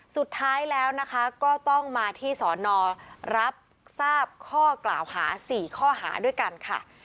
สุดท้ายแล้วนะคะก็ต้องมาที่สอนอรับทราบข้อกล่าวหา๔ข้อหาด้วยกันค่ะ